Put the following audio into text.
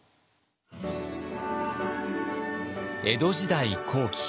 江戸時代後期。